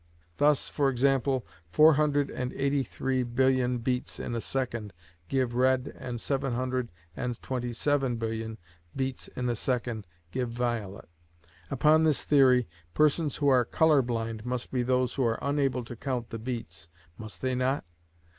Thus, for example, four hundred and eighty three billion beats in a second give red, and seven hundred and twenty seven billion beats in a second give violet. Upon this theory, persons who are colour blind must be those who are unable to count the beats, must they not?